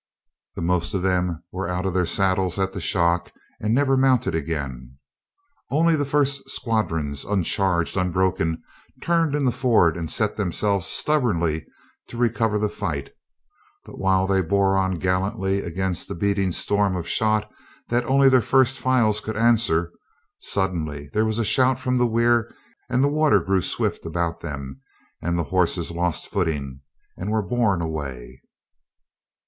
The most of them were out of their saddles at the shock and never mounted again. Only the first squadrons, uncharged, un broken, turned in the ford and set themselves stub bornly to recover the fight, but while they bore on gallantly against the beating storm of shot that only their first files could answer, sudden there was a shout from the weir and the water grew swift about them and the horses lost footing and were borne away.